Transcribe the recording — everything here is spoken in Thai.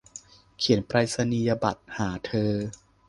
เขียนไปรษณียบัตรหาเธอ